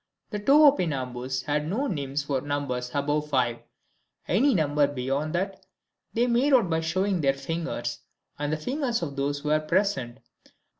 The Tououpinambos had no names for numbers above 5; any number beyond that they made out by showing their fingers, and the fingers of others who were present.